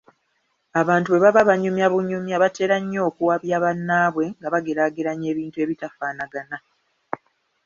Abantu bwe baba banyumya bunyumya batera nnyo okuwabya bannaabwe nga bageraageranya ebintu ebitafaanaga na.